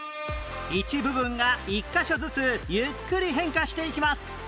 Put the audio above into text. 一部分が１カ所ずつゆっくり変化していきます